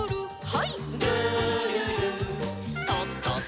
はい。